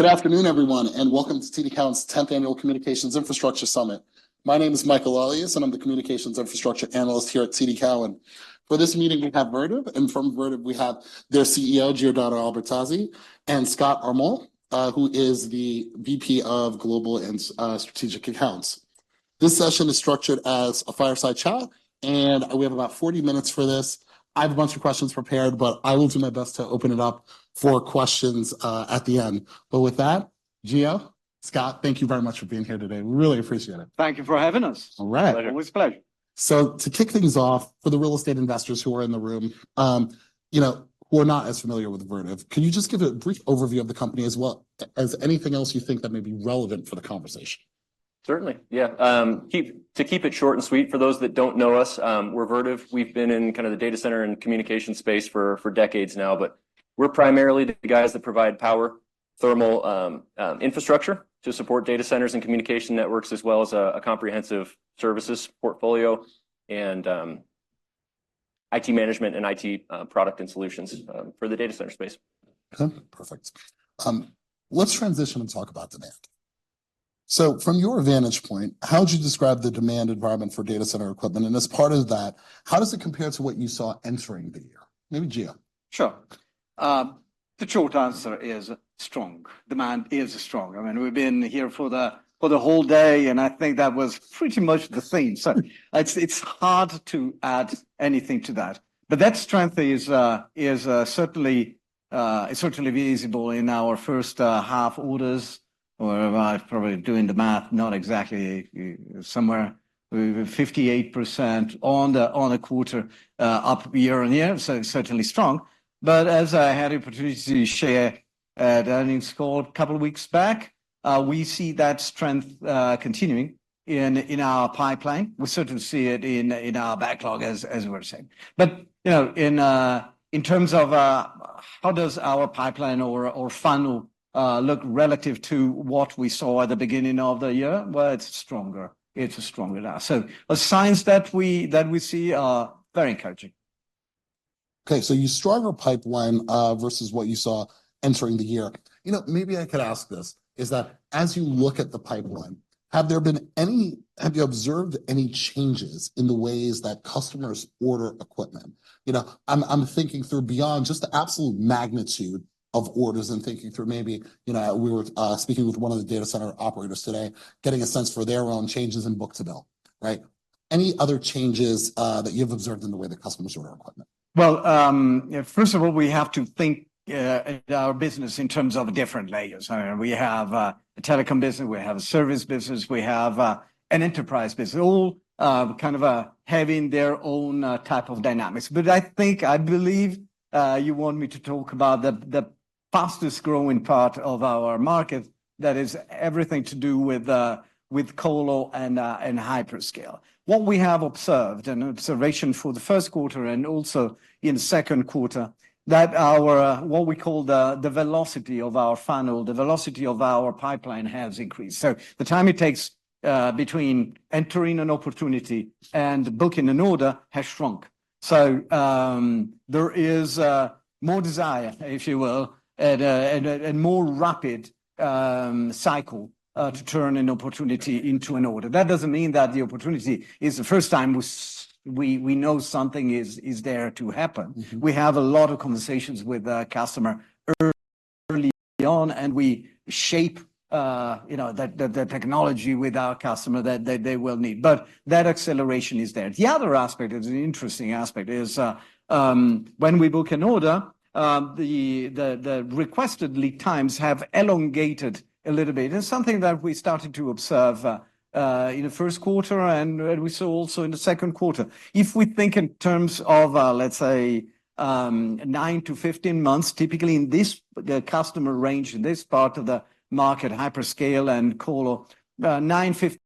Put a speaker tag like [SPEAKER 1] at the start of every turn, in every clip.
[SPEAKER 1] Good afternoon, everyone, and welcome to TD Cowen's 10th Annual Communications Infrastructure Summit. My name is Michael Elias, and I'm the Communications Infrastructure Analyst here at TD Cowen. For this meeting, we have Vertiv, and from Vertiv we have their CEO, Giordano Albertazzi, and Scott Armul, who is the VP of Global and Strategic Accounts. This session is structured as a fireside chat, and we have about 40 minutes for this. I have a bunch of questions prepared, but I will do my best to open it up for questions at the end. But with that, Gio, Scott, thank you very much for being here today. We really appreciate it.
[SPEAKER 2] Thank you for having us.
[SPEAKER 1] All right.
[SPEAKER 2] Pleasure. Always a pleasure.
[SPEAKER 1] So to kick things off, for the real estate investors who are in the room, you know, who are not as familiar with Vertiv, can you just give a brief overview of the company as well as anything else you think that may be relevant for the conversation?
[SPEAKER 3] Certainly, yeah. To keep it short and sweet, for those that don't know us, we're Vertiv. We've been in kind of the data center and communication space for decades now, but we're primarily the guys that provide power, thermal infrastructure to support data centers and communication networks, as well as a comprehensive services portfolio and IT management and IT product and solutions for the data center space.
[SPEAKER 1] Okay, perfect. Let's transition and talk about demand. So from your vantage point, how would you describe the demand environment for data center equipment? And as part of that, how does it compare to what you saw entering the year? Maybe Gio.
[SPEAKER 2] Sure. The short answer is strong. Demand is strong. I mean, we've been here for the whole day, and I think that was pretty much the theme. So it's hard to add anything to that. But that strength is certainly visible in our first half orders, or I've probably doing the math, not exactly. Somewhere 58% on the quarter, up year on year, so certainly strong. But as I had the opportunity to share at earnings call a couple weeks back, we see that strength continuing in our pipeline. We certainly see it in our backlog, as we're saying. But, you know, in terms of how does our pipeline or funnel look relative to what we saw at the beginning of the year, well, it's stronger. It's stronger now. So the signs that we see are very encouraging.
[SPEAKER 1] Okay, so you stronger pipeline versus what you saw entering the year. You know, maybe I could ask this: is that as you look at the pipeline, have you observed any changes in the ways that customers order equipment? You know, I'm thinking through beyond just the absolute magnitude of orders and thinking through maybe, you know, we were speaking with one of the data center operators today, getting a sense for their own changes in book-to-bill, right? Any other changes that you've observed in the way that customers order equipment?
[SPEAKER 2] Well, first of all, we have to think, our business in terms of different layers. I mean, we have, a telecom business, we have a service business, we have, an enterprise business, all, kind of, having their own, type of dynamics. But I think, I believe, you want me to talk about the, the fastest growing part of our market that is everything to do with, with colo and, and hyperscale. What we have observed, an observation for the first quarter and also in second quarter, that our, what we call the, the velocity of our funnel, the velocity of our pipeline has increased. So the time it takes, between entering an opportunity and booking an order has shrunk. So, there is more desire, if you will, and more rapid cycle to turn an opportunity into an order. That doesn't mean that the opportunity is the first time we know something is there to happen.
[SPEAKER 1] Mm-hmm.
[SPEAKER 2] We have a lot of conversations with the customer early on, and we shape, you know, the technology with our customer that they will need, but that acceleration is there. The other aspect is an interesting aspect, when we book an order, the requested lead times have elongated a little bit. It's something that we started to observe, in the first quarter, and we saw also in the second quarter. If we think in terms of, let's say, 9 to 15 months, typically in this, the customer range in this part of the market, hyperscale and colo, 9, 15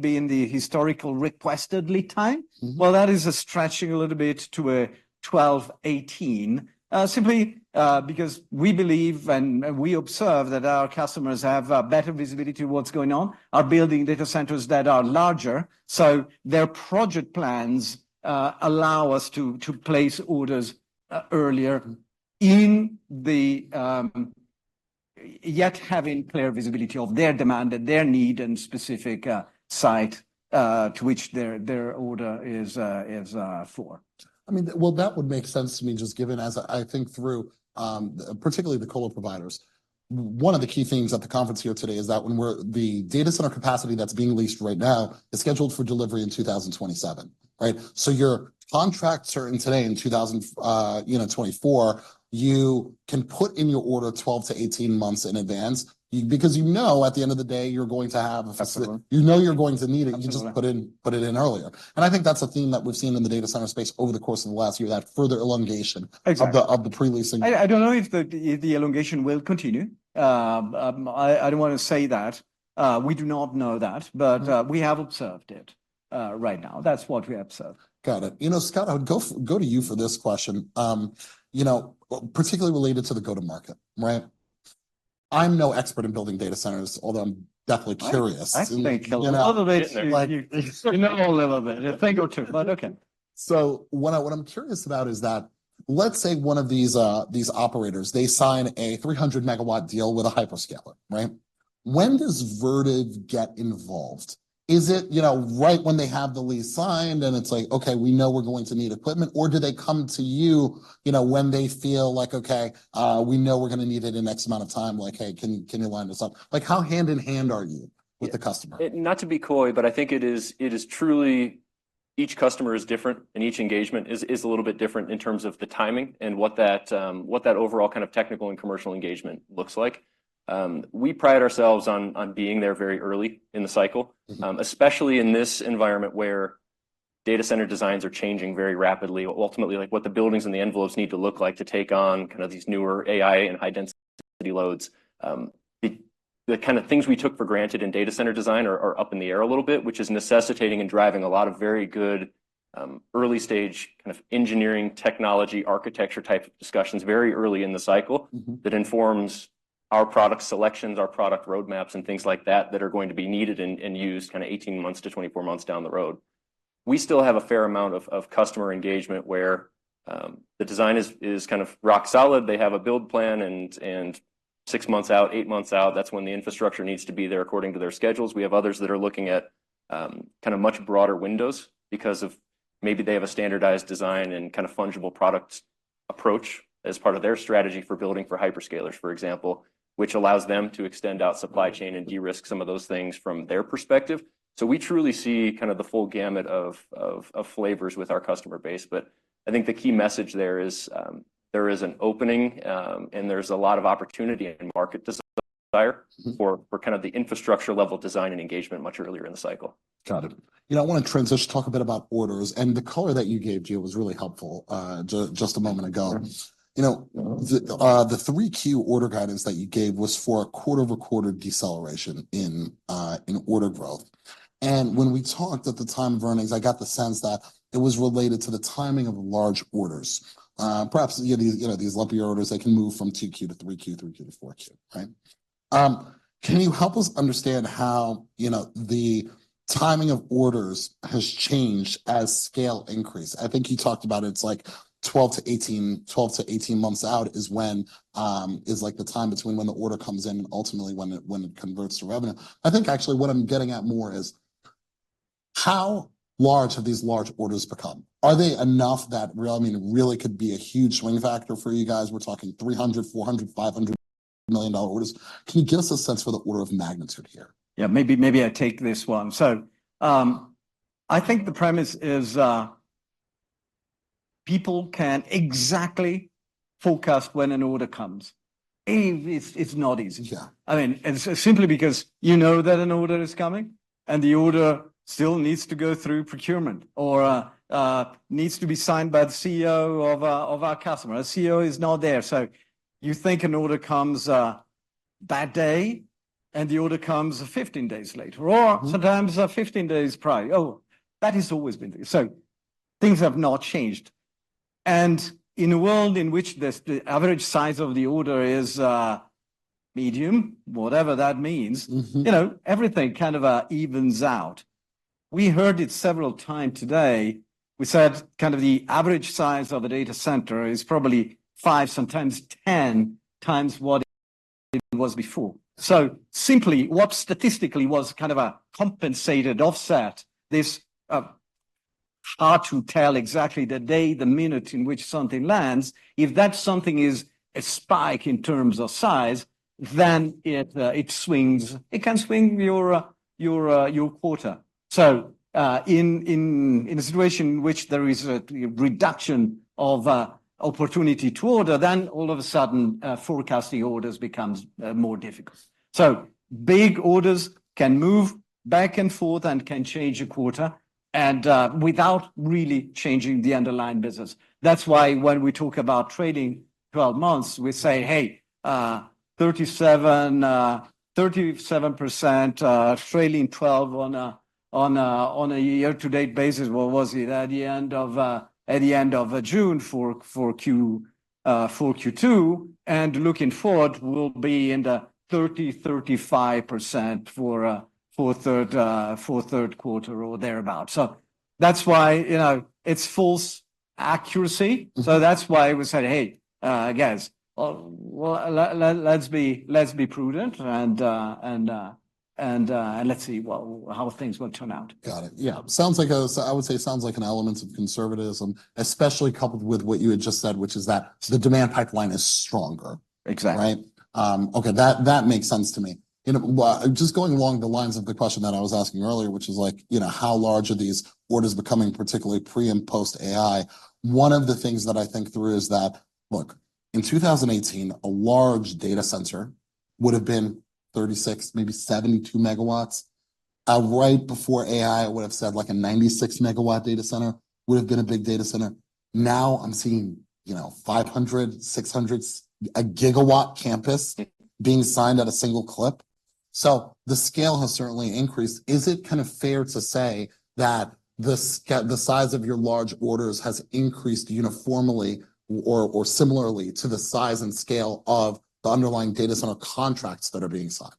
[SPEAKER 2] being the historical requested lead time-
[SPEAKER 1] Mm-hmm.
[SPEAKER 2] Well, that is stretching a little bit to 12-18. Simply because we believe and we observe that our customers have better visibility to what's going on, are building data centers that are larger. So their project plans allow us to place orders earlier in the- yet having clear visibility of their demand and their need and specific site to which their order is for.
[SPEAKER 1] I mean, well, that would make sense to me, just given as I think through, particularly the colo providers. One of the key themes at the conference here today is that the data center capacity that's being leased right now is scheduled for delivery in 2027, right? So your contracts are in today, in 2024, you know, you can put in your order 12-18 months in advance, because you know, at the end of the day, you're going to have-
[SPEAKER 2] Absolutely.
[SPEAKER 1] You know you're going to need it.
[SPEAKER 2] Absolutely.
[SPEAKER 1] You just put it, put it in earlier. I think that's a theme that we've seen in the data center space over the course of the last year, that further elongation-
[SPEAKER 2] Exactly
[SPEAKER 1] -of the pre-leasing.
[SPEAKER 2] I don't know if the elongation will continue. I don't want to say that. We do not know that-
[SPEAKER 1] Mm-hmm.
[SPEAKER 2] But we have observed it right now. That's what we observed.
[SPEAKER 1] Got it. You know, Scott, I would go to you for this question, you know, particularly related to the go-to-market, right? I'm no expert in building data centers, although I'm definitely curious.
[SPEAKER 2] I think-
[SPEAKER 1] You know, like-
[SPEAKER 2] You know a little bit, a thing or two, but okay.
[SPEAKER 1] So what I'm curious about is that, let's say one of these operators, they sign a 300 MW deal with a hyperscaler, right? When does Vertiv get involved? Is it, you know, right when they have the lease signed, and it's like, "Okay, we know we're going to need equipment," or do they come to you, you know, when they feel like, "Okay, we know we're gonna need it in X amount of time. Like, hey, can you line this up?" Like, how hand-in-hand are you with the customer?
[SPEAKER 3] Yeah. Not to be coy, but I think it is, it is truly each customer is different, and each engagement is, is a little bit different in terms of the timing and what that, what that overall kind of technical and commercial engagement looks like. We pride ourselves on, on being there very early in the cycle-
[SPEAKER 1] Mm-hmm.
[SPEAKER 3] -especially in this environment where data center designs are changing very rapidly. Ultimately, like, what the buildings and the envelopes need to look like to take on kind of these newer AI and high-density loads. The kind of things we took for granted in data center design are up in the air a little bit, which is necessitating and driving a lot of very good early stage kind of engineering, technology, architecture type of discussions very early in the cycle-
[SPEAKER 1] Mm-hmm
[SPEAKER 3] -that informs our product selections, our product roadmaps, and things like that, that are going to be needed and used kind of 18-24 months down the road. We still have a fair amount of customer engagement where the design is kind of rock solid. They have a build plan, and 6 months out, 8 months out, that's when the infrastructure needs to be there according to their schedules. We have others that are looking at kind of much broader windows because of maybe they have a standardized design and kind of fungible product approach as part of their strategy for building for hyperscalers, for example, which allows them to extend out supply chain and de-risk some of those things from their perspective. So we truly see kind of the full gamut of flavors with our customer base, but I think the key message there is, there is an opening, and there's a lot of opportunity in market desire-
[SPEAKER 1] Mm-hmm
[SPEAKER 3] -for kind of the infrastructure-level design and engagement much earlier in the cycle.
[SPEAKER 1] Got it. You know, I want to transition to talk a bit about orders, and the color that you gave, Gio, was really helpful, just a moment ago.
[SPEAKER 2] Sure.
[SPEAKER 1] You know, the 3Q order guidance that you gave was for a quarter-over-quarter deceleration in order growth. When we talked at the time of earnings, I got the sense that it was related to the timing of large orders. Perhaps, you know, these, you know, these lumpier orders that can move from 2Q to 3Q, 3Q to 4Q, right? Can you help us understand how, you know, the timing of orders has changed as scale increase? I think you talked about it's, like, 12 to 18, 12 to 18 months out is when, is, like, the time between when the order comes in and ultimately when it, when it converts to revenue. I think actually what I'm getting at more is: How large have these large orders become? Are they enough that, I mean, really could be a huge swing factor for you guys? We're talking $300 million, $400 million, $500 million orders. Can you give us a sense for the order of magnitude here?
[SPEAKER 2] Yeah, maybe, maybe I take this one. So, I think the premise is, people can't exactly forecast when an order comes. It's not easy.
[SPEAKER 1] Yeah.
[SPEAKER 2] I mean, and so simply because you know that an order is coming, and the order still needs to go through procurement or, needs to be signed by the CEO of, of our customer. A CEO is not there, so you think an order comes, that day, and the order comes 15 days later-
[SPEAKER 1] Mm-hmm
[SPEAKER 2] -or sometimes, 15 days prior. Oh, that has always been there. So things have not changed. And in a world in which the average size of the order is, medium, whatever that means-
[SPEAKER 1] Mm-hmm
[SPEAKER 2] - you know, everything kind of evens out. We heard it several times today. We said kind of the average size of a data center is probably five, sometimes ten times what it was before. So simply, what statistically was kind of a compensated offset, this hard to tell exactly the day, the minute in which something lands. If that something is a spike in terms of size, then it swings, it can swing your quarter. So in a situation in which there is a reduction of opportunity to order, then all of a sudden forecasting orders becomes more difficult. So big orders can move back and forth and can change a quarter and without really changing the underlying business. That's why when we talk about trailing twelve months, we say, "Hey, 37, 37% trailing twelve on a year-to-date basis." What was it? At the end of June for Q2, and looking forward, we'll be in the 30-35% for third quarter or thereabout. So that's why, you know, it's false accuracy.
[SPEAKER 1] Mm-hmm.
[SPEAKER 2] So that's why we said, "Hey, guys, well, let's be prudent, and let's see how things will turn out.
[SPEAKER 1] Got it. Yeah. Sounds like. So I would say it sounds like an element of conservatism, especially coupled with what you had just said, which is that the demand pipeline is stronger.
[SPEAKER 2] Exactly.
[SPEAKER 1] Right? Okay, that makes sense to me. You know, well, just going along the lines of the question that I was asking earlier, which is like, you know, how large are these orders becoming, particularly pre and post-AI? One of the things that I think through is that, look, in 2018, a large data center would have been 36, maybe 72 MW. Right before AI, I would have said, like, a 96 MW data center would have been a big data center. Now, I'm seeing, you know, 500, 600, a 1 GW campus-
[SPEAKER 2] Mm
[SPEAKER 1] -being signed at a single clip. So the scale has certainly increased. Is it kind of fair to say that the size of your large orders has increased uniformly or, or similarly to the size and scale of the underlying data center contracts that are being signed?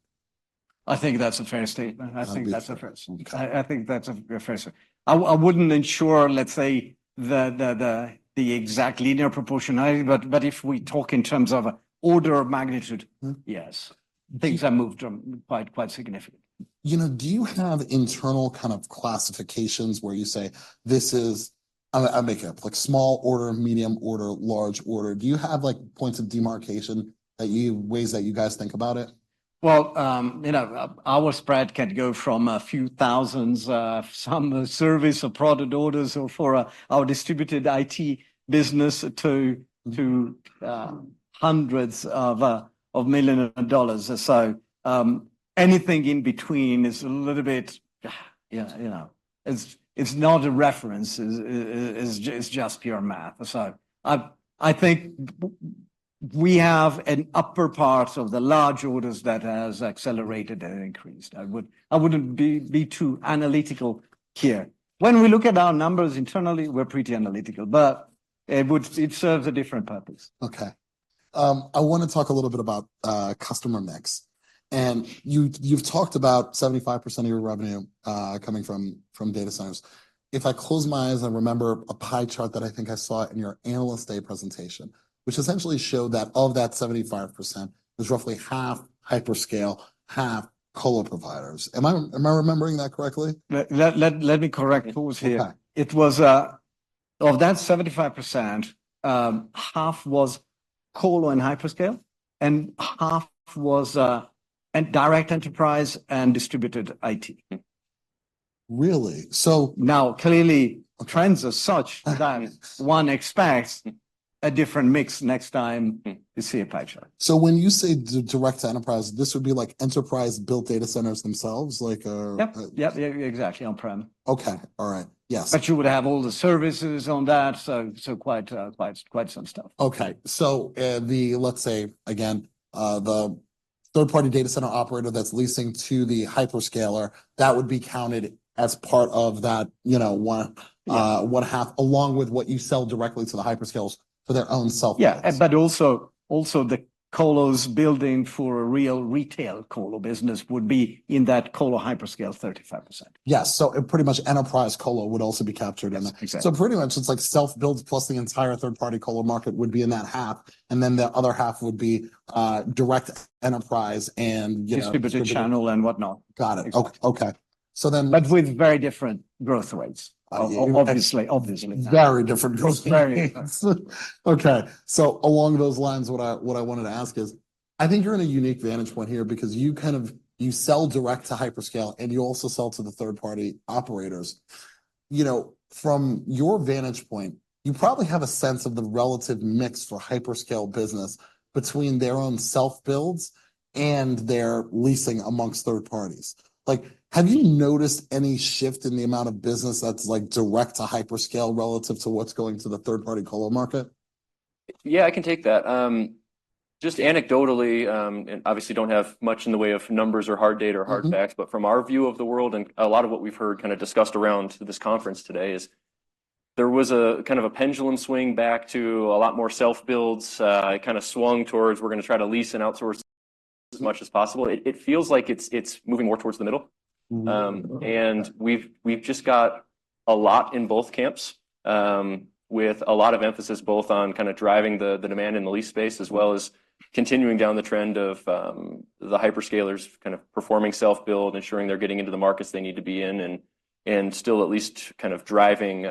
[SPEAKER 2] I think that's a fair statement.
[SPEAKER 1] Okay.
[SPEAKER 2] I think that's a fair statement. I wouldn't ensure, let's say, the exact linear proportionality, but if we talk in terms of order of magnitude-
[SPEAKER 1] Mm.
[SPEAKER 2] Yes. Things have moved quite, quite significantly.
[SPEAKER 1] You know, do you have internal kind of classifications where you say, "This is-" I'm making up, like, small order, medium order, large order. Do you have, like, points of demarcation that you- ways that you guys think about it?
[SPEAKER 2] Well, you know, our spread can go from a few thousand dollars, some service or product orders or for our distributed IT business to hundreds of millions of dollars. So, anything in between is a little bit, you know, you know, it's, it's not a reference. It's, it, it's, it's just pure math. So I, I think we have an upper part of the large orders that has accelerated and increased. I wouldn't be too analytical here. When we look at our numbers internally, we're pretty analytical, but it serves a different purpose.
[SPEAKER 1] Okay. I want to talk a little bit about customer mix. And you've talked about 75% of your revenue coming from data centers. If I close my eyes, I remember a pie chart that I think I saw in your Analyst Day presentation, which essentially showed that of that 75%, it was roughly half hyperscale, half colo providers. Am I remembering that correctly?
[SPEAKER 2] Let me correct those here.
[SPEAKER 1] Okay.
[SPEAKER 2] It was. Of that 75%, half was colo and hyperscale, and half was direct enterprise and distributed IT.
[SPEAKER 1] Really? So-
[SPEAKER 2] Now, clearly, trends are such that one expects a different mix next time you see a pie chart.
[SPEAKER 1] So when you say direct to enterprise, this would be like enterprise-built data centers themselves, like.
[SPEAKER 2] Yep, yep. Exactly, on-prem.
[SPEAKER 1] Okay. All right. Yes.
[SPEAKER 2] But you would have all the services on that, so quite some stuff.
[SPEAKER 1] Okay. So, let's say, again, the third-party data center operator that's leasing to the hyperscaler, that would be counted as part of that, you know, one,
[SPEAKER 2] Yeah
[SPEAKER 1] -one half, along with what you sell directly to the hyperscalers for their own self.
[SPEAKER 2] Yeah. But also, the colos building for a real retail colo business would be in that colo hyperscale, 35%.
[SPEAKER 1] Yes. So pretty much enterprise colo would also be captured in that?
[SPEAKER 2] Yes, exactly.
[SPEAKER 1] So pretty much, it's like self-build, plus the entire third-party colo market would be in that half, and then the other half would be direct enterprise and, you know-
[SPEAKER 2] Distributed channel and whatnot.
[SPEAKER 1] Got it.
[SPEAKER 2] Okay.
[SPEAKER 1] Okay. So then-
[SPEAKER 2] But with very different growth rates-
[SPEAKER 1] Yeah
[SPEAKER 2] - obviously, obviously.
[SPEAKER 1] Very different growth rates.
[SPEAKER 2] Very.
[SPEAKER 1] Okay. So along those lines, what I, what I wanted to ask is, I think you're in a unique vantage point here because you kind of, you sell direct to hyperscale, and you also sell to the third-party operators. You know, from your vantage point, you probably have a sense of the relative mix for hyperscale business between their own self-builds and their leasing amongst third parties. Like, have you noticed any shift in the amount of business that's, like, direct to hyperscale relative to what's going to the third-party colo market?
[SPEAKER 3] Yeah, I can take that. Just anecdotally, and obviously don't have much in the way of numbers or hard data or hard facts-
[SPEAKER 1] Mm.
[SPEAKER 3] But from our view of the world, and a lot of what we've heard kind of discussed around this conference today, is there was a kind of a pendulum swing back to a lot more self-builds, kind of swung towards we're gonna try to lease and outsource as much as possible. It, it feels like it's, it's moving more towards the middle.
[SPEAKER 1] Mm-hmm.
[SPEAKER 3] And we've just got a lot in both camps, with a lot of emphasis both on kind of driving the demand in the lease space, as well as continuing down the trend of the hyperscalers kind of performing self-build, ensuring they're getting into the markets they need to be in, and still at least kind of driving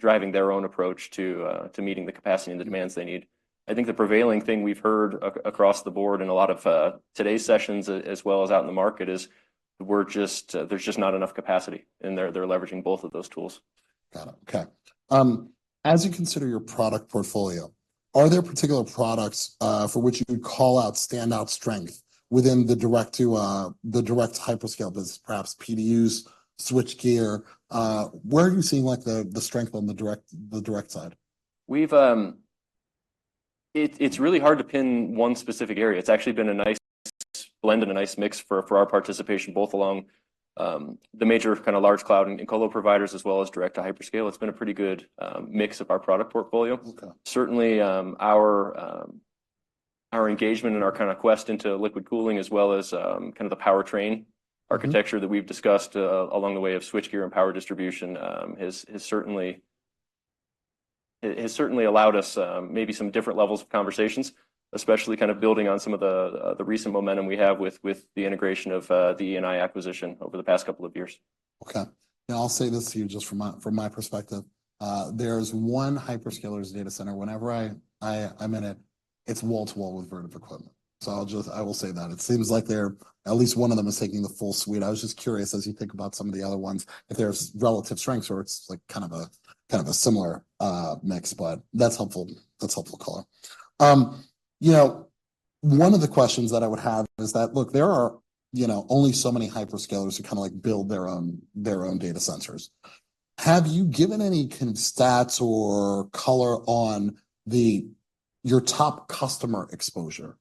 [SPEAKER 3] their own approach to meeting the capacity and the demands they need. I think the prevailing thing we've heard across the board in a lot of today's sessions as well as out in the market is we're just, there's just not enough capacity, and they're leveraging both of those tools.
[SPEAKER 1] Got it. Okay. As you consider your product portfolio, are there particular products for which you could call out standout strength within the direct to the direct hyperscale business, perhaps PDUs, switchgear? Where are you seeing, like, the strength on the direct side?
[SPEAKER 3] It's really hard to pin one specific area. It's actually been a nice blend and a nice mix for, for our participation, both along, the major kind of large cloud and colo providers, as well as direct to hyperscale. It's been a pretty good mix of our product portfolio.
[SPEAKER 1] Okay.
[SPEAKER 3] Certainly, our engagement and our kind of quest into liquid cooling, as well as, kind of the powertrain-
[SPEAKER 1] Mm-hmm
[SPEAKER 3] - architecture that we've discussed along the way of switchgear and power distribution has certainly, it has certainly allowed us maybe some different levels of conversations, especially kind of building on some of the recent momentum we have with the integration of the E&I acquisition over the past couple of years.
[SPEAKER 1] Okay. Now, I'll say this to you just from my, from my perspective. There's one hyperscaler's data center, whenever I, I'm in it, it's wall to wall with Vertiv equipment. So I'll just. I will say that. It seems like they're, at least one of them, is taking the full suite. I was just curious, as you think about some of the other ones, if there's relative strengths or it's, like, kind of a similar mix, but that's helpful. That's helpful color. You know, one of the questions that I would have is that, look, there are, you know, only so many hyperscalers who kind of like build their own, their own data centers. Have you given any kind of stats or color on the, your top customer exposure?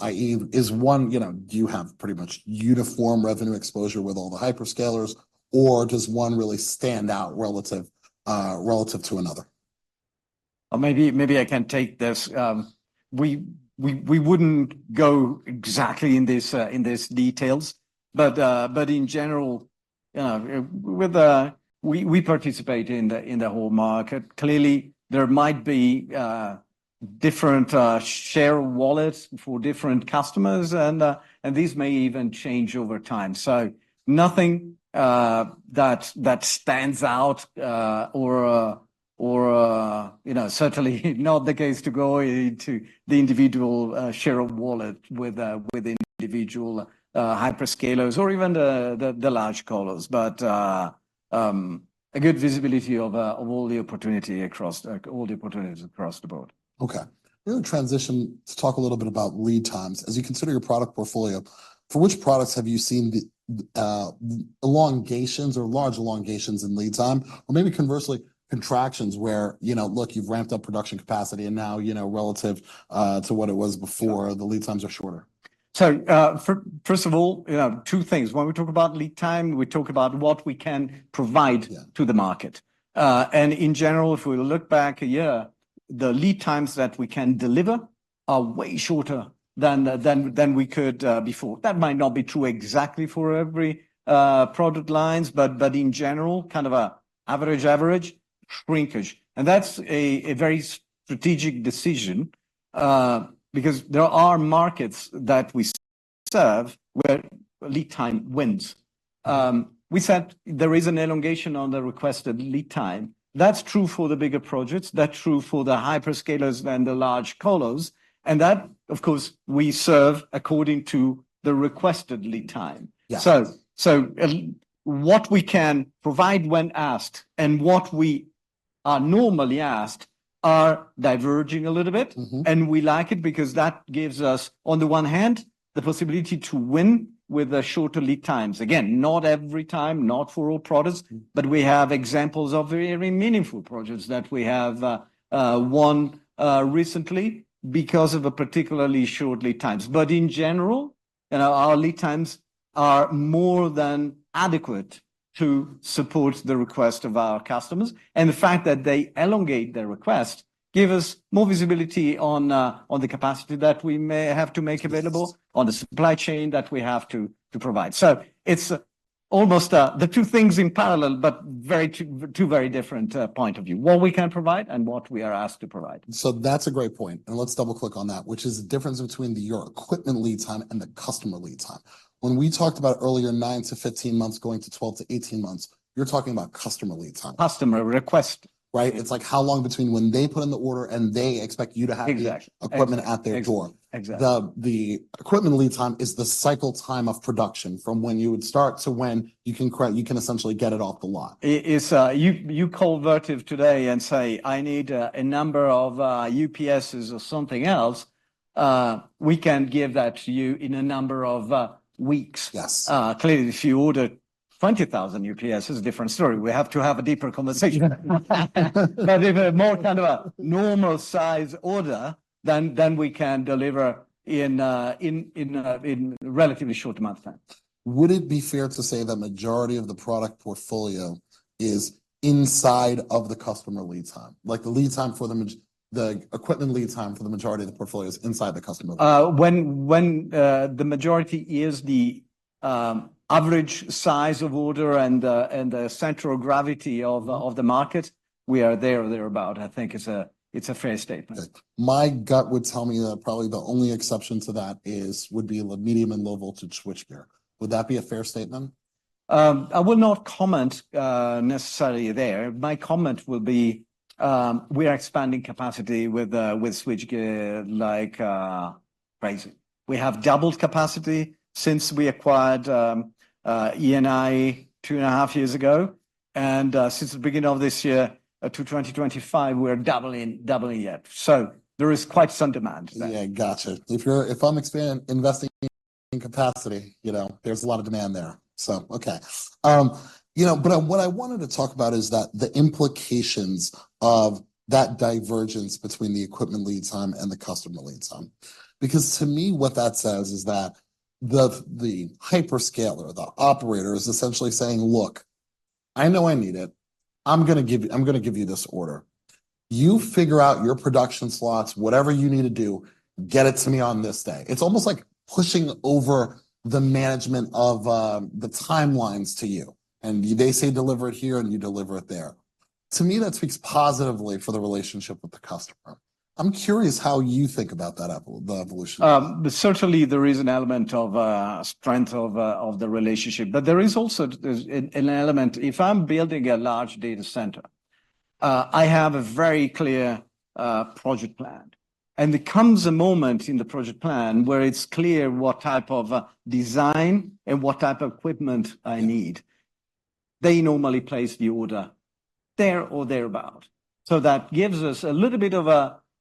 [SPEAKER 1] i.e., is one, you know, do you have pretty much uniform revenue exposure with all the hyperscalers, or does one really stand out relative to another?
[SPEAKER 2] - Well, maybe, maybe I can take this. We wouldn't go exactly into these details, but in general, we participate in the whole market. Clearly, there might be different share wallets for different customers, and these may even change over time. So nothing that stands out, or, you know, certainly not the case to go into the individual share of wallet with individual hyperscalers or even the large colos. But a good visibility of all the opportunity across, like, all the opportunities across the board.
[SPEAKER 1] Okay. We're gonna transition to talk a little bit about lead times. As you consider your product portfolio, for which products have you seen the elongations or large elongations in lead time, or maybe conversely, contractions where, you know, look, you've ramped up production capacity, and now, you know, relative to what it was before, the lead times are shorter?
[SPEAKER 2] So, first of all, you know, two things. When we talk about lead time, we talk about what we can provide-
[SPEAKER 1] Yeah
[SPEAKER 2] - to the market. And in general, if we look back a year, the lead times that we can deliver are way shorter than we could before. That might not be true exactly for every product lines, but in general, kind of an average shrinkage. And that's a very strategic decision, because there are markets that we serve, where lead time wins. We said there is an elongation on the requested lead time. That's true for the bigger projects. That's true for the hyperscalers and the large colos, and that, of course, we serve according to the requested lead time.
[SPEAKER 1] Yeah.
[SPEAKER 2] What we can provide when asked and what we are normally asked are diverging a little bit.
[SPEAKER 1] Mm-hmm.
[SPEAKER 2] And we like it because that gives us, on the one hand, the possibility to win with the shorter lead times. Again, not every time, not for all products, but we have examples of very meaningful projects that we have won recently because of a particularly short lead times. But in general, you know, our lead times are more than adequate to support the request of our customers, and the fact that they elongate their request give us more visibility on the capacity that we may have to make available-
[SPEAKER 1] Yes
[SPEAKER 2] - on the supply chain that we have to provide. So it's almost the two things in parallel, but very, very different point of view: what we can provide and what we are asked to provide.
[SPEAKER 1] That's a great point, and let's double-click on that, which is the difference between the your equipment lead time and the customer lead time. When we talked about earlier, 9-15 months, going to 12-18 months, you're talking about customer lead time.
[SPEAKER 2] Customer request.
[SPEAKER 1] Right. It's like how long between when they put in the order, and they expect you to have-
[SPEAKER 2] Exactly
[SPEAKER 1] - equipment at their door.
[SPEAKER 2] Exactly, exactly.
[SPEAKER 1] The equipment lead time is the cycle time of production from when you would start to when you can essentially get it off the lot.
[SPEAKER 2] It's you call Vertiv today and say, "I need a number of UPSes or something else," we can give that to you in a number of weeks.
[SPEAKER 1] Yes.
[SPEAKER 2] Clearly, if you ordered 20,000 UPS, it's a different story. We have to have a deeper conversation. But if a more kind of a normal size order, then we can deliver in relatively short amount of time.
[SPEAKER 1] Would it be fair to say the majority of the product portfolio is inside of the customer lead time, like the lead time for the majority, the equipment lead time for the majority of the portfolio is inside the customer lead time?
[SPEAKER 2] When the majority is the average size of order and the central gravity of the market, we are there or thereabout. I think it's a fair statement.
[SPEAKER 1] Good. My gut would tell me that probably the only exception to that is, would be the medium and low voltage switchgear. Would that be a fair statement?
[SPEAKER 2] I will not comment necessarily there. My comment will be, we are expanding capacity with switchgear, like, crazy. We have doubled capacity since we acquired E&I two and a half years ago, and since the beginning of this year to 2025, we're doubling, doubling it. So there is quite some demand there.
[SPEAKER 1] Yeah, gotcha. If I'm investing in capacity, you know, there's a lot of demand there. So okay. You know, but, what I wanted to talk about is that the implications of that divergence between the equipment lead time and the customer lead time. Because to me, what that says is that the hyperscaler, the operator, is essentially saying, "Look, I know I need it. I'm gonna give you- I'm gonna give you this order. You figure out your production slots, whatever you need to do, get it to me on this day." It's almost like pushing over the management of the timelines to you, and they say, "Deliver it here," and you deliver it there. To me, that speaks positively for the relationship with the customer. I'm curious how you think about the evolution.
[SPEAKER 2] Certainly, there is an element of strength of the relationship, but there is also an element, if I'm building a large data center, I have a very clear project plan, and there comes a moment in the project plan where it's clear what type of design and what type of equipment I need. They normally place the order there or thereabout, so that gives us a little bit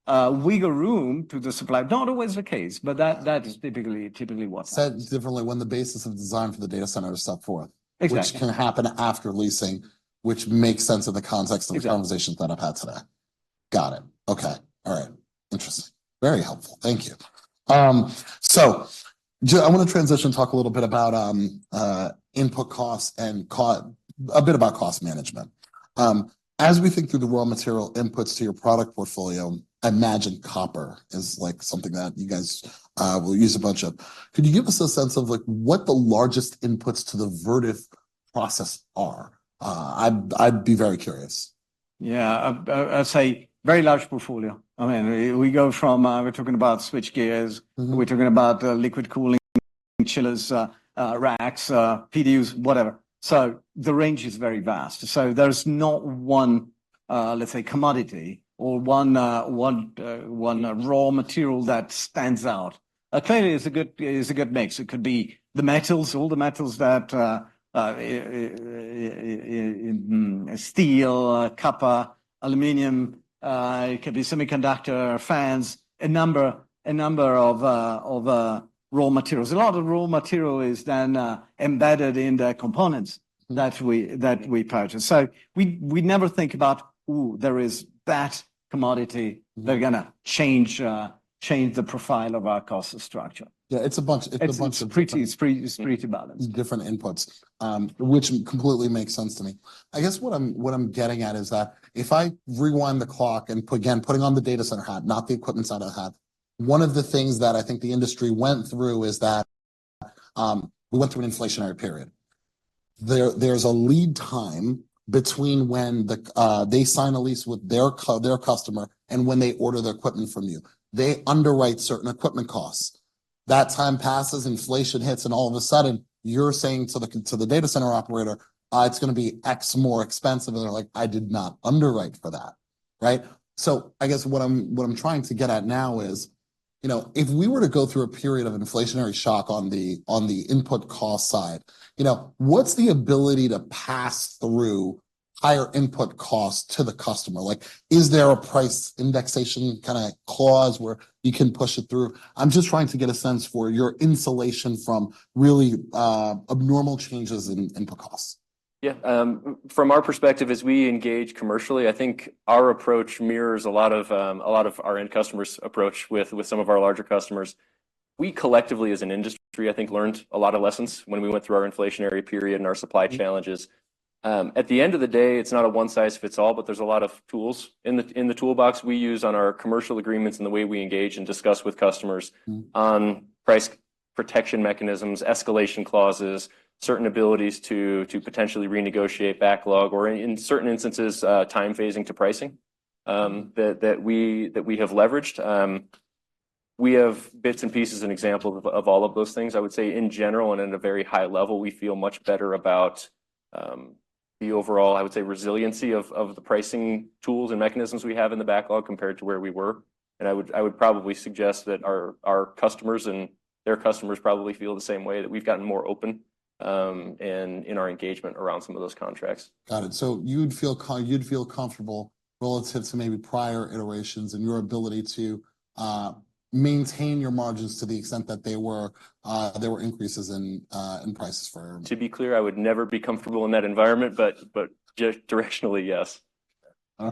[SPEAKER 2] of a wiggle room to the supply. Not always the case, but that is typically what happens.
[SPEAKER 1] Said differently, when the basis of design for the data center is so forth-
[SPEAKER 2] Exactly
[SPEAKER 1] - which can happen after leasing, which makes sense in the context-
[SPEAKER 2] Exactly
[SPEAKER 1] - of the conversations that I've had today. Got it. Okay. Interesting. Very helpful. Thank you. So I want to transition and talk a little bit about input costs and a bit about cost management. As we think through the raw material inputs to your product portfolio, I imagine copper is, like, something that you guys will use a bunch of. Could you give us a sense of, like, what the largest inputs to the Vertiv process are? I'd be very curious.
[SPEAKER 2] Yeah, I'd say very large portfolio. I mean, we go from, we're talking about switchgear-
[SPEAKER 1] Mm-hmm.
[SPEAKER 2] We're talking about liquid cooling, chillers, racks, PDUs, whatever. So the range is very vast. So there's not one, let's say, commodity or one raw material that stands out. Clearly it's a good, it's a good mix. It could be the metals, all the metals that, steel, copper, aluminum, it could be semiconductor, fans, a number, a number of raw materials. A lot of raw material is then embedded in the components that we, that we purchase. So we, we never think about, "Ooh, there is that commodity-
[SPEAKER 1] Mm.
[SPEAKER 2] - they're gonna change, change the profile of our cost structure.
[SPEAKER 1] Yeah, it's a bunch of-
[SPEAKER 2] It's pretty, it's pretty, it's pretty balanced.
[SPEAKER 1] - different inputs, which completely makes sense to me. I guess what I'm, what I'm getting at is that if I rewind the clock and put, again, putting on the data center hat, not the equipment side of the hat, one of the things that I think the industry went through is that, we went through an inflationary period. There's a lead time between when the they sign a lease with their their customer and when they order the equipment from you. They underwrite certain equipment costs. That time passes, inflation hits, and all of a sudden, you're saying to the to the data center operator, "it's gonna be X more expensive," and they're like, "I did not underwrite for that." Right? So I guess what I'm trying to get at now is, you know, if we were to go through a period of inflationary shock on the input cost side, you know, what's the ability to pass through higher input costs to the customer? Like, is there a price indexation kinda clause where you can push it through? I'm just trying to get a sense for your insulation from really abnormal changes in input costs.
[SPEAKER 3] Yeah, from our perspective, as we engage commercially, I think our approach mirrors a lot of our end customers' approach with some of our larger customers. We collectively, as an industry, I think, learned a lot of lessons when we went through our inflationary period and our supply challenges.
[SPEAKER 1] Mm.
[SPEAKER 3] At the end of the day, it's not a one-size-fits-all, but there's a lot of tools in the toolbox we use on our commercial agreements and the way we engage and discuss with customers-
[SPEAKER 1] Mm
[SPEAKER 3] - on price protection mechanisms, escalation clauses, certain abilities to potentially renegotiate backlog or, in certain instances, time phasing to pricing, that we have leveraged. We have bits and pieces and examples of all of those things. I would say, in general and at a very high level, we feel much better about the overall resiliency of the pricing tools and mechanisms we have in the backlog compared to where we were. And I would probably suggest that our customers and their customers probably feel the same way, that we've gotten more open in our engagement around some of those contracts.
[SPEAKER 1] Got it. So you'd feel comfortable relative to maybe prior iterations and your ability to maintain your margins to the extent that there were increases in prices for-
[SPEAKER 3] To be clear, I would never be comfortable in that environment, but just directionally, yes.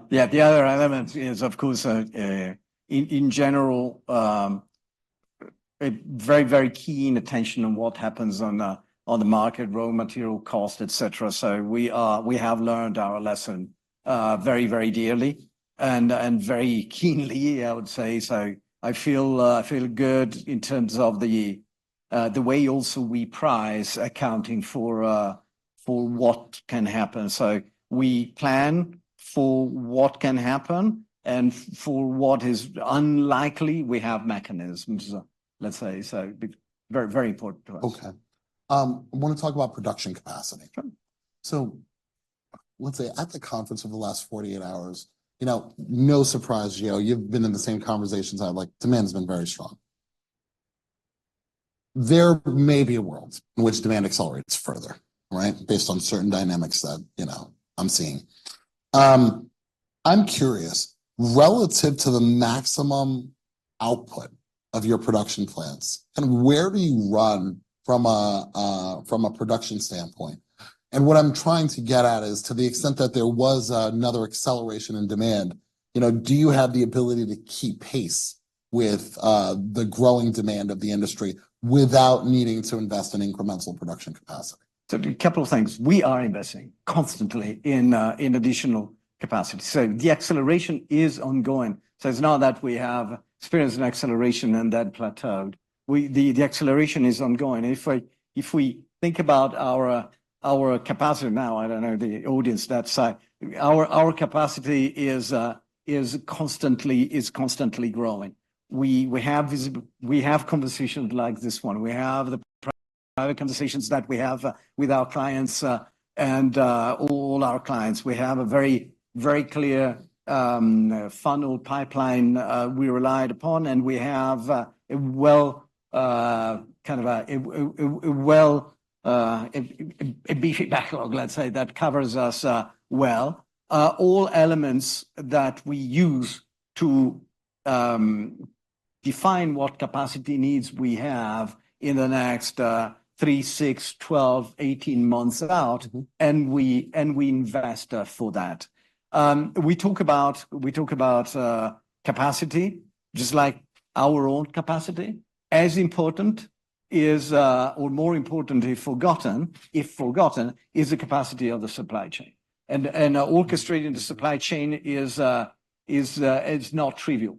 [SPEAKER 2] Yeah, the other element is, of course, in general, a very, very keen attention on what happens on the market, raw material cost, et cetera. So we are—we have learned our lesson very, very dearly and very keenly, I would say. So I feel good in terms of the way also we price accounting for what can happen. So we plan for what can happen, and for what is unlikely, we have mechanisms, let's say, so very, very important to us.
[SPEAKER 1] Okay. I want to talk about production capacity.
[SPEAKER 2] Sure.
[SPEAKER 1] So let's say, at the conference over the last 48 hours, you know, no surprise, Gio, you've been in the same conversations I've liked. Demand has been very strong. There may be a world in which demand accelerates further, right? Based on certain dynamics that, you know, I'm seeing. I'm curious, relative to the maximum output of your production plants, and where do you run from a production standpoint? And what I'm trying to get at is, to the extent that there was another acceleration in demand, you know, do you have the ability to keep pace with the growing demand of the industry without needing to invest in incremental production capacity?
[SPEAKER 2] So a couple of things. We are investing constantly in additional capacity. So the acceleration is ongoing, so it's not that we have experienced an acceleration and then plateaued. The acceleration is ongoing. If we think about our capacity now, I don't know the audience that side, our capacity is constantly growing. We have conversations like this one. We have the conversations that we have with our clients and all our clients. We have a very, very clear funnel pipeline we relied upon, and we have a well, kind of a beefy backlog, let's say, that covers us well. All elements that we use to- Define what capacity needs we have in the next 3, 6, 12, 18 months out, and we invest for that. We talk about capacity, just like our own capacity. As important is, or more importantly, often forgotten, is the capacity of the supply chain. And orchestrating the supply chain is not trivial,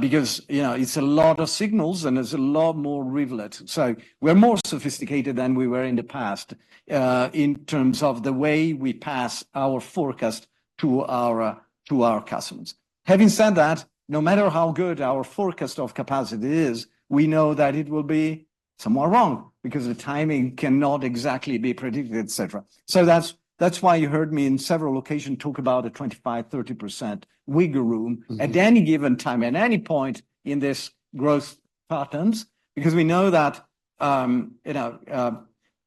[SPEAKER 2] because, you know, it's a lot of signals, and it's a lot more rigid. So we're more sophisticated than we were in the past, in terms of the way we pass our forecast to our customers. Having said that, no matter how good our forecast of capacity is, we know that it will be somewhat wrong because the timing cannot exactly be predicted, et cetera. So that's, that's why you heard me in several occasions talk about a 25-30% wiggle room-
[SPEAKER 1] Mm-hmm.
[SPEAKER 2] At any given time, at any point in this growth patterns, because we know that, you know,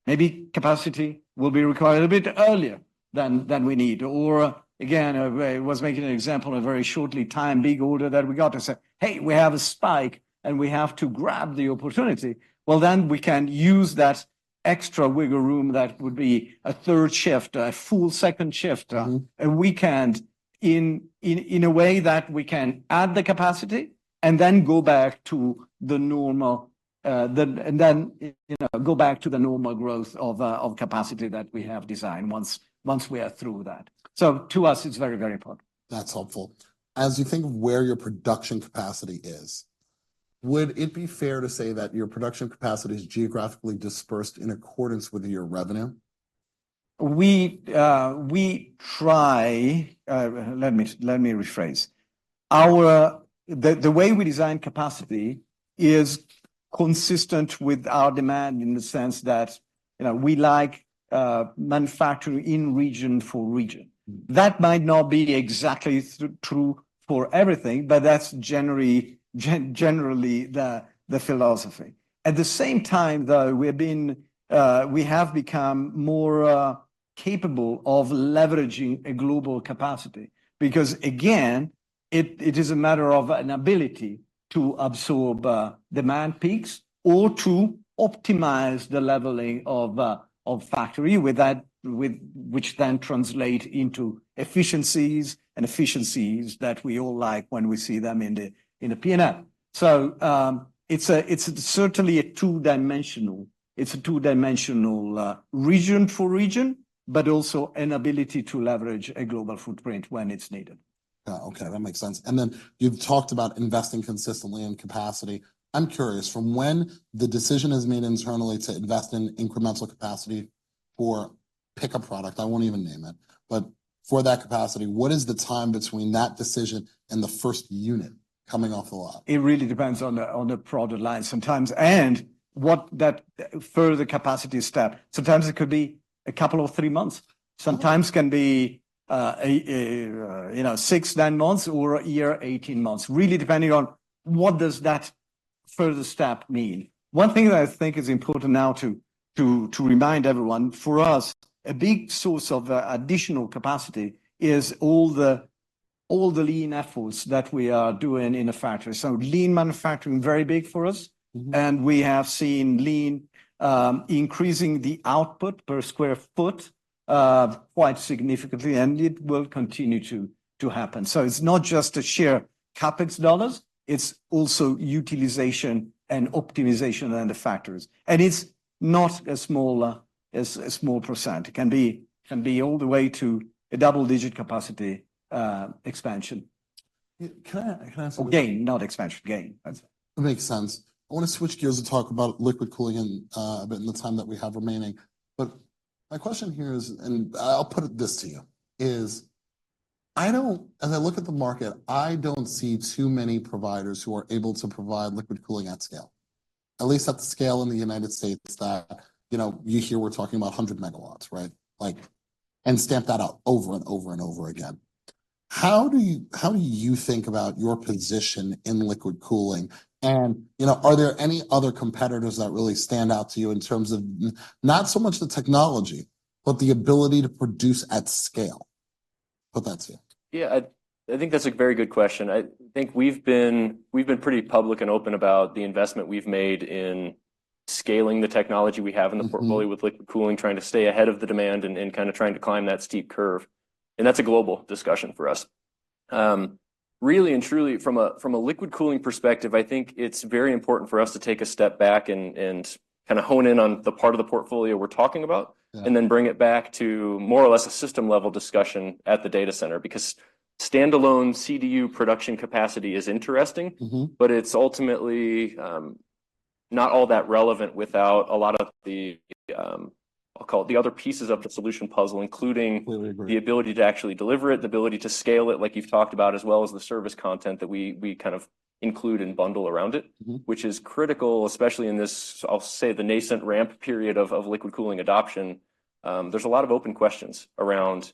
[SPEAKER 2] maybe capacity will be required a bit earlier than we need. Or again, I was making an example of a very short time, big order that we got to say, "Hey, we have a spike, and we have to grab the opportunity." Well, then we can use that extra wiggle room that would be a third shift, a full second shift.
[SPEAKER 1] Mm-hmm.
[SPEAKER 2] We can, in a way that we can add the capacity and then go back to the normal. And then, you know, go back to the normal growth of capacity that we have designed once we are through that. So to us, it's very, very important.
[SPEAKER 1] That's helpful. As you think of where your production capacity is, would it be fair to say that your production capacity is geographically dispersed in accordance with your revenue?
[SPEAKER 2] Let me rephrase. The way we design capacity is consistent with our demand, in the sense that, you know, we like manufacturing in region for region.
[SPEAKER 1] Mm.
[SPEAKER 2] That might not be exactly true for everything, but that's generally the philosophy. At the same time, though, we have become more capable of leveraging a global capacity, because, again, it is a matter of an ability to absorb demand peaks or to optimize the leveling of factory with which then translate into efficiencies and efficiencies that we all like when we see them in the P&L. So, it's certainly a two-dimensional, region for region, but also an ability to leverage a global footprint when it's needed.
[SPEAKER 1] Okay, that makes sense. And then you've talked about investing consistently in capacity. I'm curious, from when the decision is made internally to invest in incremental capacity for, pick a product, I won't even name it, but for that capacity, what is the time between that decision and the first unit coming off the lot?
[SPEAKER 2] It really depends on the product line sometimes, and what that further capacity step. Sometimes it could be a couple or three months.
[SPEAKER 1] Mm.
[SPEAKER 2] Sometimes can be, you know, 6-9 months, or a year, 18 months, really depending on what does that further step mean. One thing that I think is important now to remind everyone, for us, a big source of additional capacity is all the lean efforts that we are doing in the factory. So lean manufacturing, very big for us.
[SPEAKER 1] Mm-hmm.
[SPEAKER 2] And we have seen lean increasing the output per square foot quite significantly, and it will continue to happen. So it's not just the sheer CapEx dollars, it's also utilization and optimization and the factors. And it's not a small percent. It can be all the way to a double-digit capacity expansion.
[SPEAKER 3] Can I, can I say-
[SPEAKER 2] Gain, not expansion. Gain, that's it.
[SPEAKER 1] That makes sense. I want to switch gears and talk about liquid cooling in a bit in the time that we have remaining. But my question here is, and I'll put it this to you, is I don't- As I look at the market, I don't see too many providers who are able to provide liquid cooling at scale, at least at the scale in the United States, that, you know, you hear we're talking about 100 MW, right? Like, and stamp that out over and over and over again. How do you, how do you think about your position in liquid cooling? And, you know, are there any other competitors that really stand out to you in terms of, not so much the technology, but the ability to produce at scale? Put that to you.
[SPEAKER 3] Yeah, I think that's a very good question. I think we've been pretty public and open about the investment we've made in scaling the technology we have in the portfolio-
[SPEAKER 1] Mm-hmm
[SPEAKER 3] - with liquid cooling, trying to stay ahead of the demand and kind of trying to climb that steep curve. That's a global discussion for us. Really and truly, from a liquid cooling perspective, I think it's very important for us to take a step back and kind of hone in on the part of the portfolio we're talking about-
[SPEAKER 1] Yeah
[SPEAKER 3] - and then bring it back to more or less a system-level discussion at the data center. Because standalone CDU production capacity is interesting-
[SPEAKER 1] Mm-hmm
[SPEAKER 3] - but it's ultimately not all that relevant without a lot of the, I'll call it, the other pieces of the solution puzzle, including-
[SPEAKER 1] Mm, mm
[SPEAKER 3] - the ability to actually deliver it, the ability to scale it, like you've talked about, as well as the service content that we kind of include and bundle around it.
[SPEAKER 1] Mm-hmm.
[SPEAKER 3] Which is critical, especially in this, I'll say, the nascent ramp period of liquid cooling adoption. There's a lot of open questions around: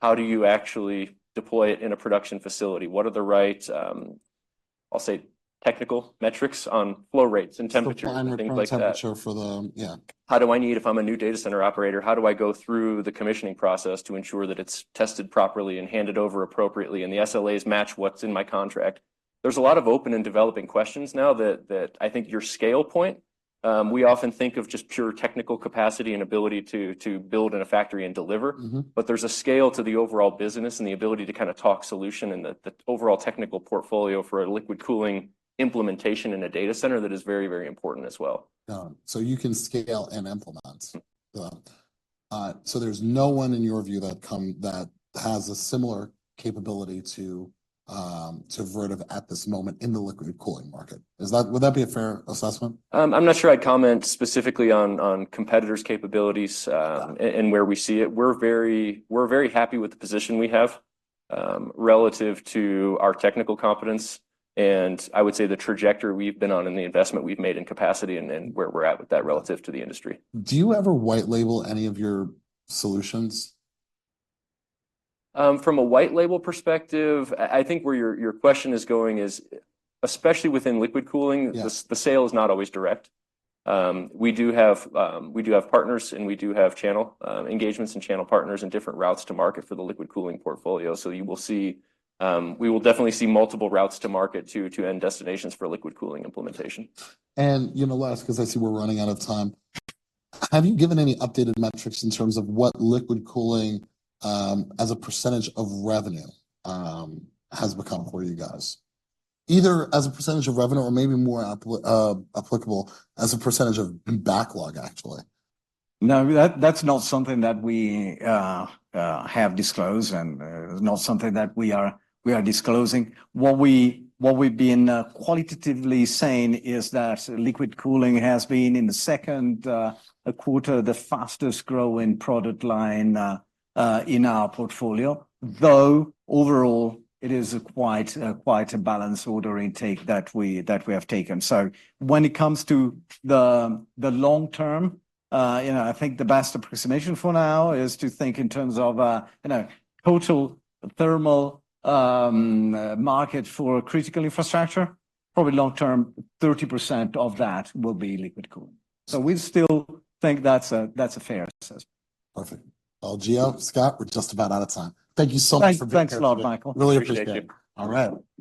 [SPEAKER 3] How do you actually deploy it in a production facility? What are the right, I'll say, technical metrics on flow rates and temperature and things like that?
[SPEAKER 1] Flow rate, temperature for the- Yeah.
[SPEAKER 3] How do I need, if I'm a new data center operator, how do I go through the commissioning process to ensure that it's tested properly and handed over appropriately, and the SLAs match what's in my contract? There's a lot of open and developing questions now that, that I think your scale point-- we often think of just pure technical capacity and ability to, to build in a factory and deliver.
[SPEAKER 1] Mm-hmm.
[SPEAKER 3] But there's a scale to the overall business, and the ability to kind of talk solution, and the overall technical portfolio for a liquid cooling implementation in a data center that is very, very important as well.
[SPEAKER 1] So you can scale and implement. So there's no one in your view that has a similar capability to Vertiv at this moment in the liquid cooling market? Is that- Would that be a fair assessment?
[SPEAKER 3] I'm not sure I'd comment specifically on competitors' capabilities and where we see it. We're very happy with the position we have relative to our technical competence, and I would say the trajectory we've been on, and the investment we've made in capacity, and where we're at with that relative to the industry.
[SPEAKER 1] Do you ever white label any of your solutions?
[SPEAKER 3] From a white label perspective, I think where your question is going is, especially within liquid cooling-
[SPEAKER 1] Yeah
[SPEAKER 3] - the sale is not always direct. We do have partners, and we do have channel engagements, and channel partners, and different routes to market for the liquid cooling portfolio. So you will see, we will definitely see multiple routes to market to end destinations for liquid cooling implementation.
[SPEAKER 1] You know, last, 'cause I see we're running out of time, have you given any updated metrics in terms of what liquid cooling as a percentage of revenue has become for you guys? Either as a percentage of revenue or maybe more applicable as a percentage of backlog, actually.
[SPEAKER 2] No, that, that's not something that we have disclosed, and it's not something that we are, we are disclosing. What we, what we've been qualitatively saying is that liquid cooling has been, in the second quarter, the fastest growing product line in our portfolio. Though, overall, it is a quite, quite a balanced order intake that we, that we have taken. So when it comes to the long term, you know, I think the best approximation for now is to think in terms of, you know, total thermal market for critical infrastructure. Probably long term, 30% of that will be liquid cooling. So we still think that's a, that's a fair assessment.
[SPEAKER 1] Perfect. Well, Gio, Scott, we're just about out of time. Thank you so much for being here.
[SPEAKER 2] Thanks a lot, Michael.
[SPEAKER 1] Really appreciate it.
[SPEAKER 3] Thank you.
[SPEAKER 1] All right.